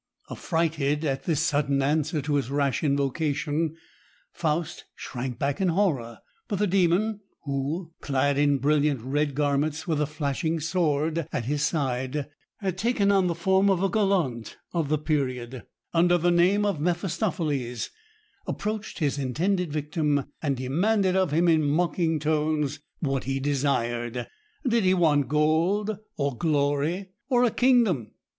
Affrighted at this sudden answer to his rash invocation, Faust shrank back in horror; but the Demon, who, clad in brilliant red garments, with a flashing sword at his side, had taken on the form of a gallant of the period, under the name of Mephistopheles, approached his intended victim, and demanded of him in mocking tones what he desired. Did he want gold? Or glory? Or a kingdom?